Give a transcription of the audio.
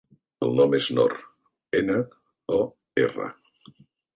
El nom és Nor: ena, o, erra.